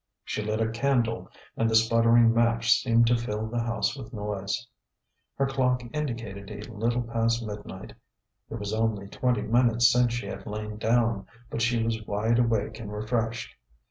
She lit a candle, and the sputtering match seemed to fill the house with noise. Her clock indicated a little past midnight. It was only twenty minutes since she had lain down, but she was wide awake and refreshed.